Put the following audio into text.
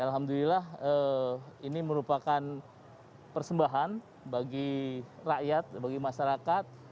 alhamdulillah ini merupakan persembahan bagi rakyat bagi masyarakat